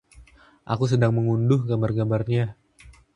Aku sedang mengunduh gambar-gambarnya.